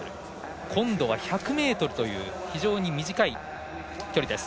今度は１００ｍという非常に短い距離です。